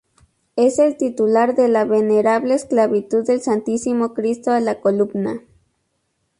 Es el titular de la "Venerable Esclavitud del Santísimo Cristo a la columna".